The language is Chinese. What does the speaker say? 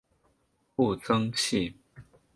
步曾槭